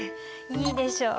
いいでしょう？